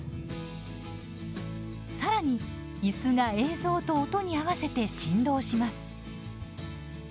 さらに、いすが映像と音に合わせて振動します。